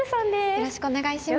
よろしくお願いします。